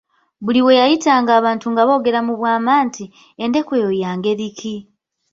Buli we yayitanga abantu nga boogera mu bwama nti, endeku eyo ya ngeri ki?